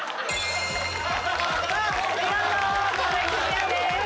見事壁クリアです。